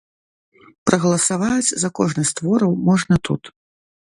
Прагаласаваць за кожны з твораў можна тут.